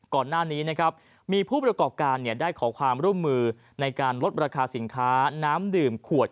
ก่อนหน้านี้นะครับมีผู้ประกอบการได้ขอความร่วมมือในการลดราคาสินค้าน้ำดื่มขวด